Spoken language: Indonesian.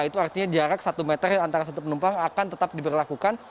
itu artinya jarak satu meter antara satu penumpang akan tetap diberlakukan